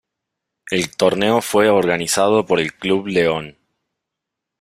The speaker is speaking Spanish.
El torneo fue organizado por el Club Leon.